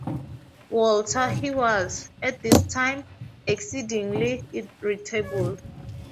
Walter he was, at this time, exceedingly irritable.